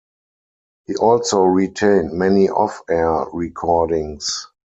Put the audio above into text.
He also retained many off-air recordings.